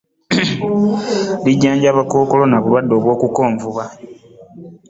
Lijjanjaba Kkookolo n'obulwadde obw'olukonvuba